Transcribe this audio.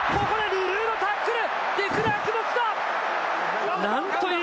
ルルーのタックル！